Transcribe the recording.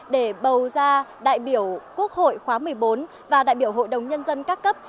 để bầu ra đại biểu quốc hội khóa một mươi bốn và đại biểu hội đồng nhân dân các cấp